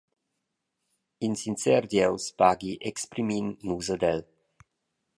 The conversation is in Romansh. In sincer Dieus paghi exprimin nus ad el.